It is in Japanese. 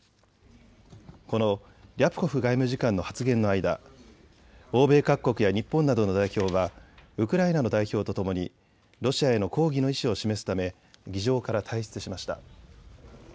このリャプコフ外務次官の発言の間、欧米各国や日本などの代表はウクライナの代表とともにロシアへの抗議の意思を示すため議場から退出しました。